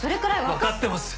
分かってます。